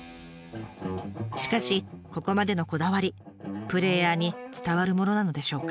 しかしここまでのこだわりプレーヤーに伝わるものなのでしょうか？